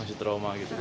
masih trauma gitu